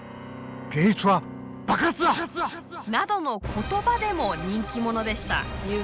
言葉でも人気者でした。